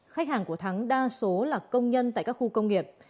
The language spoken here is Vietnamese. khách hàng của thắng đa số là công nhân tại các khu công nghiệp